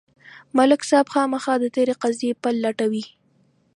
ملک صاحب خامخا د تېرې قضیې پل لټوي.